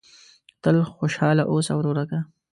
تل خوشاله اوسه ورورکه !